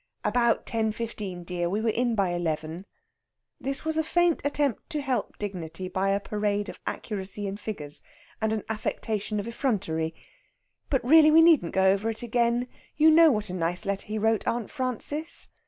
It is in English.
"About ten fifteen, dear. We were in by eleven." This was a faint attempt to help dignity by a parade of accuracy in figures, and an affectation of effrontery. "But really we needn't go over it again. You know what a nice letter he wrote Aunt Frances?"